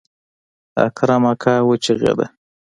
اکرم اکا وچغېده.